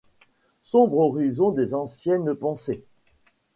Sombre horizon des anciennes pensées!